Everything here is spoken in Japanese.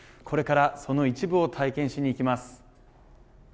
これからその一部を体験しに行きます。